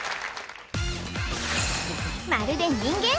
まるで人間？